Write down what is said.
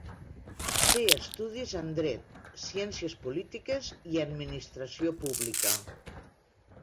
Té estudis en Dret, Ciències Polítiques i Administració Pública.